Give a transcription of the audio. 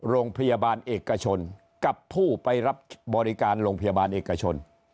โรงพยาบาลเอกชนกับผู้ไปรับบริการโรงพยาบาลเอกชน